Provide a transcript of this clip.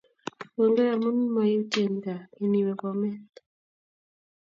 Kongoi amun meutient gaa kiniwe Bomet